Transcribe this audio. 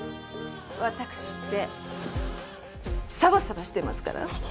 ワタクシってサバサバしてますから！